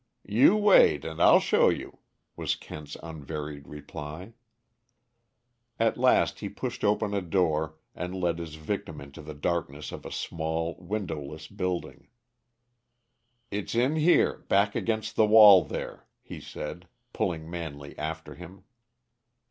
"You wait and I'll show you," was Kent's unvaried reply. At last he pushed open a door and led his victim into the darkness of a small, windowless building. "It's in here back against the wall, there," he said, pulling Manley after him.